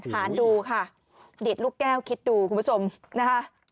หารดูค่ะดิดลูกแก้วคิดดูคุณผู้ชมนะคะ